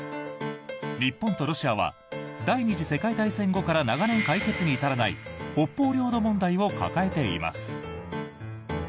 日本とロシアは第２次世界大戦後から長年、解決に至らない北方領土問題を抱えています。